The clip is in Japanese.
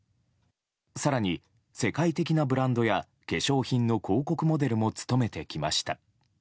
更に世界的なブランドや化粧品の広告モデルも務めてきました。